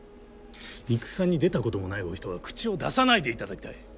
戦に出たこともないお人が口を出さないでいただきたい。